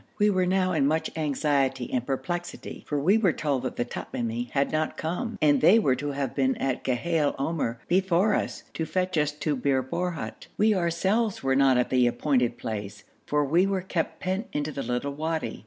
We were now in much anxiety and perplexity, for we were told the Tamimi had not come, and they were to have been at Ghail Omr before us, to fetch us to Bir Borhut. We ourselves were not at the appointed place, for we were kept pent into the little wadi.